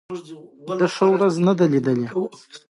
ښه ورځ نه ده لېدلې.